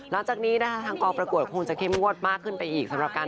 ผมว่าอยู่ที่เวลาและความเหมาะสมมากกว่า